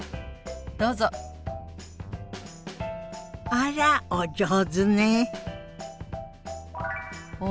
あらお上手ね。